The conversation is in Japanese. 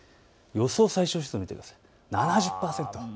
予想最小湿度を見てください。